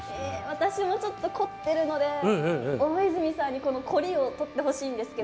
私もちょっと凝ってるので、大泉さんに、この凝りを取ってほしいんですけど。